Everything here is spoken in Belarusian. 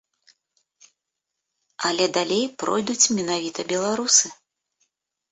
Але далей пройдуць менавіта беларусы.